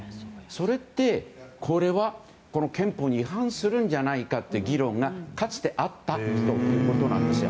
それって、これは憲法に違反するんじゃないかって議論がかつてあったということなんです。